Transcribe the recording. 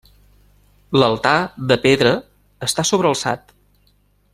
L'altar, de pedra, està sobrealçat.